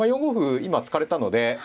今突かれたのでこう。